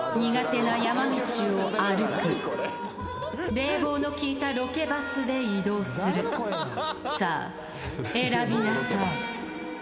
冷房の効いたロケバスで移動するさあ選びなさい